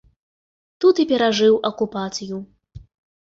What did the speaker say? Тут і перажыў акупацыю.